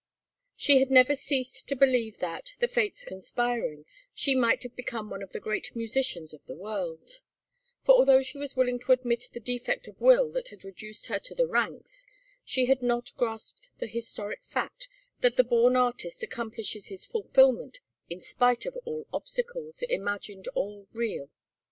She had never ceased to believe that, the fates conspiring, she might have become one of the great musicians of the world; for although she was willing to admit the defect of will that had reduced her to the ranks, she had not grasped the historic fact that the born artist accomplishes his fulfilment in spite of all obstacles, imagined or real.